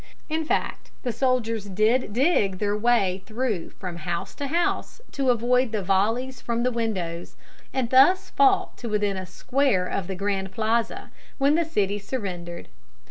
In fact, the soldiers did dig their way through from house to house to avoid the volleys from the windows, and thus fought to within a square of the Grand Plaza, when the city surrendered.